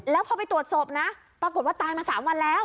แล้วพอไปตรวจศพนะปรากฏว่าตายมา๓วันแล้ว